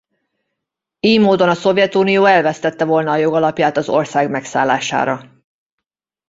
Ily módon a Szovjetunió elvesztette volna a jogalapját az ország megszállására.